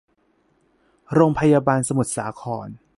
โรงพยาบาลสมุทรสาคร